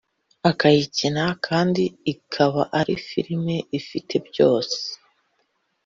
akayikina kandi ikaba ari filime ifite byose